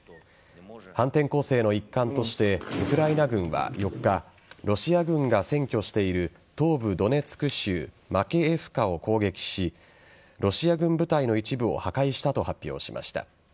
反転攻勢の一環としてウクライナ軍は４日ロシア軍が占拠している東部・ドネツク州マケエフカを攻撃しロシア軍部隊の一部を破壊したと発表しました。